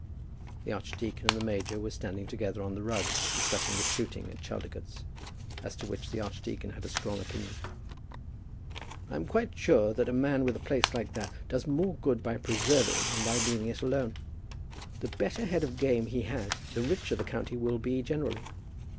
The archdeacon and the major were standing together on the rug discussing the shooting at Chaldicotes, as to which the archdeacon had a strong opinion. "I'm quite sure that a man with a place like that does more good by preserving than by leaving it alone. The better head of game he has the richer the county will be generally.